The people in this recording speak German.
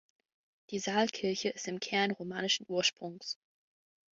Die Saalkirche ist im Kern romanischen Ursprungs.